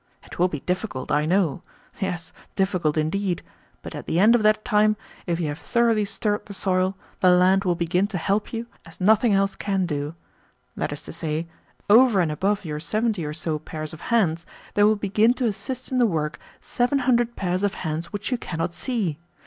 It will be difficult, I know yes, difficult indeed; but at the end of that time, if you have thoroughly stirred the soil, the land will begin to help you as nothing else can do. That is to say, over and above your seventy or so pairs of hands, there will begin to assist in the work seven hundred pairs of hands which you cannot see.